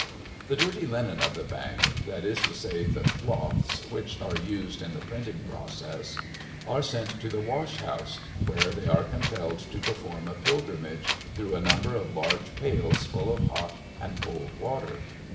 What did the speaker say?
The dirty linen of the Bank that is to say the cloths which are used in the printing process are sent to the washhouse, where they are compelled to perform a pilgrimage through a number of large pails full of hot and cold water.